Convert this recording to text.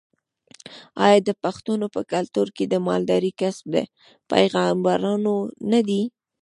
آیا د پښتنو په کلتور کې د مالدارۍ کسب د پیغمبرانو نه دی؟